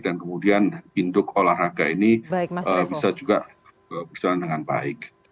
dan kemudian induk olahraga ini bisa juga berjalan dengan baik